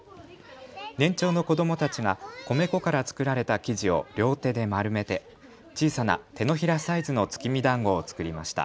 年長の子どもたちが米粉から作られた生地を両手で丸めて小さな手のひらサイズの月見だんごを作りました。